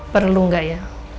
perlu nggak ya